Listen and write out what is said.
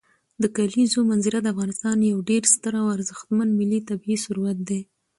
د کلیزو منظره د افغانستان یو ډېر ستر او ارزښتمن ملي طبعي ثروت دی.